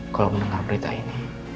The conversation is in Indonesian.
kalau mendengar berita ini